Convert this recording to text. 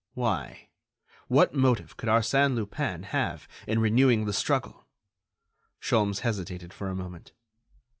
Why? What motive could Arsène Lupin have in renewing the struggle? Sholmes hesitated for a moment.